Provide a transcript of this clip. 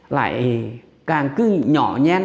lại càng cứ nhỏ nhen